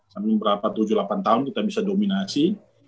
sampai berapa tujuh delapan tahun kita bisa dominasi